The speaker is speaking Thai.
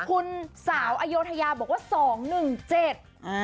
คุณสาวอโยธยาบอกว่าสองหนึ่งเจ็ดอ่า